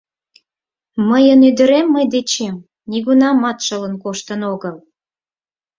— Мыйын ӱдырем мый дечем нигунамат шылын коштын огыл!